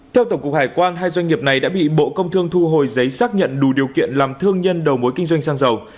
theo tổng cục hải quan hai doanh nghiệp này đã bị bộ công thương thu hồi giấy xác nhận đủ điều kiện làm thương nhân đầu mối kinh doanh xăng dầu